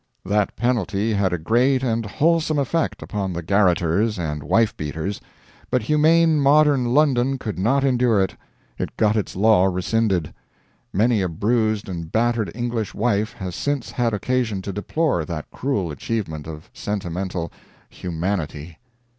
That penalty had a great and wholesome effect upon the garroters and wife beaters; but humane modern London could not endure it; it got its law rescinded. Many a bruised and battered English wife has since had occasion to deplore that cruel achievement of sentimental "humanity."